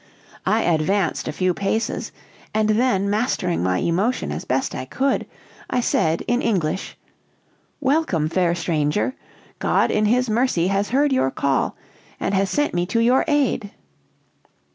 "I advanced a few paces; and then mastering my emotion as best I could, I said in English: "'Welcome, fair stranger! God, in his mercy, has heard your call, and has sent me to your aid!'